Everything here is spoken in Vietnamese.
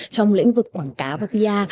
trong lĩnh vực quảng cáo và kia